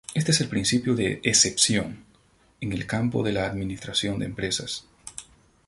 Este es el "Principio de Excepción" en el campo de la Administración de Empresas.